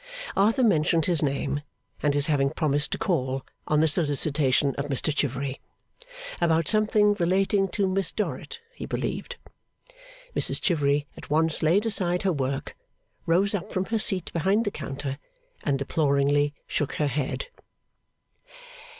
Arthur mentioned his name, and his having promised to call, on the solicitation of Mr Chivery. About something relating to Miss Dorrit, he believed. Mrs Chivery at once laid aside her work, rose up from her seat behind the counter, and deploringly shook her head.